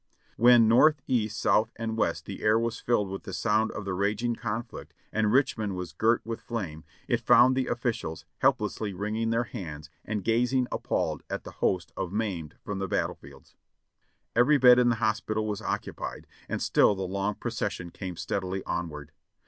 When north, east, south, and west the air was filled with the sound of the raging conflict and Richmond was girt with flame, it found the officials helplessly wringing their hands and gazing appalled at the host of maimed from the battle fields. Every bed in the hospital was occupied, and still the long procession came steadily onward.